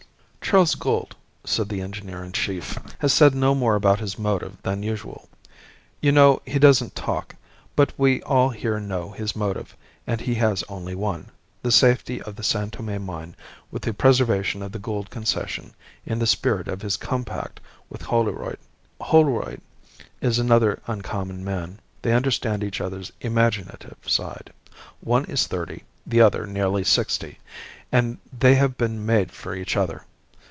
"Charles Gould," said the engineer in chief, "has said no more about his motive than usual. You know, he doesn't talk. But we all here know his motive, and he has only one the safety of the San Tome mine with the preservation of the Gould Concession in the spirit of his compact with Holroyd. Holroyd is another uncommon man. They understand each other's imaginative side. One is thirty, the other nearly sixty, and they have been made for each other.